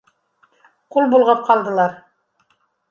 Ҡул болғап ҡалдылар